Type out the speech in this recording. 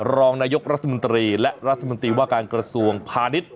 รองนายกรัฐมนตรีและรัฐมนตรีว่าการกระทรวงพาณิชย์